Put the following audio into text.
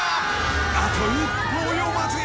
あと一歩及ばず。